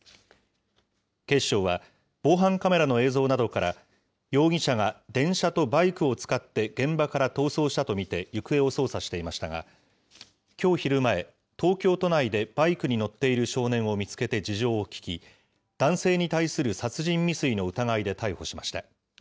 警視庁は防犯カメラの映像などから、容疑者が電車とバイクを使って現場から逃走したと見て行方を捜査していましたが、きょう昼前、東京都内でバイクに乗っている少年を見つけて事情を聴き、男性に対する殺人未遂の疑いで逮捕しました。